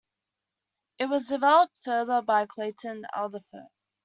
It was developed further by Clayton Alderfer.